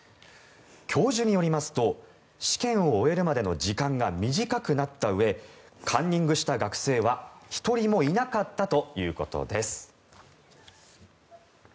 教授によりますと試験を終えるまでの時間が短くなったうえカンニングした学生は、１人もいなかったということです。